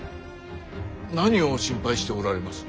何を心配しておられます。